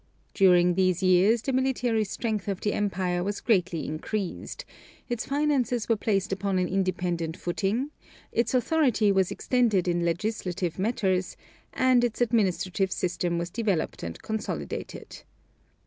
During these years the military strength of the Empire was greatly increased; its finances were placed upon an independent footing; its authority was extended in legislative matters, and its administrative system was developed and consolidated.